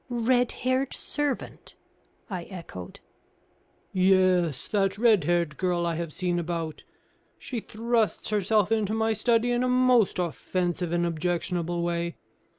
"Red haired servant!" I echoed. "Yes, that red haired girl I have seen about. She thrusts herself into my study in a most offensive and objectionable way.